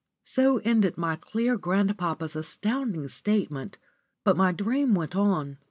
So ended my clear grandpapa's astounding statement, but my dream went on.